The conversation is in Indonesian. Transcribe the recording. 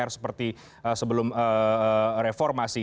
seperti sebelum reformasi